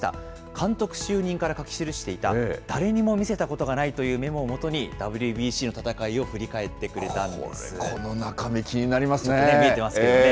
監督就任から書き記していた誰にも見せたことがないというメモを基に、ＷＢＣの戦いを振り返ってこれ、この中身、気になりま見えてますけれどもね。